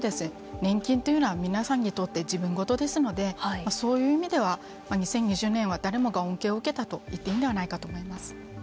年金というのは皆さんにとって自分事ですのでそういう意味では２０２０年は誰もが恩恵を受けたといっていいのではないかと思います。